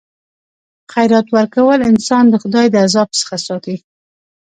خیرات ورکول انسان د خدای د عذاب څخه ساتي.